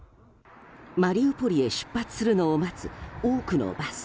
マリウポリへ出発するのを待つ多くのバス。